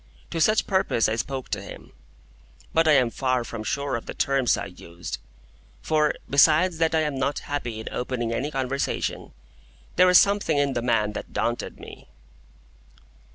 To such purpose I spoke to him; but I am far from sure of the terms I used; for, besides that I am not happy in opening any conversation, there was something in the man that daunted me.